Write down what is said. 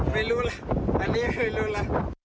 ไม่รู้ล่ะอันนี้ไม่รู้แล้ว